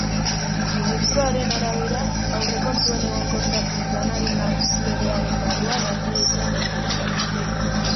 Ministroaren arabera, aurrekontuen egonkortasun planaren legearen barruan hartu dute neurri hau.